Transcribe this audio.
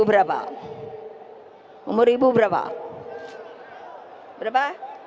umur berapa umur ibu berapa berapa